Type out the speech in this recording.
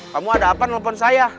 kamu ada apa nelfon saya